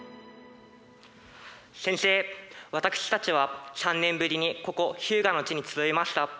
宣誓私たちは３年ぶりにここ日向の地に集いました。